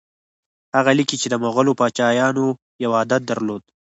هغه لیکي چې د مغولو پاچایانو یو عادت درلود.